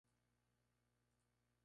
Medina de Pomar.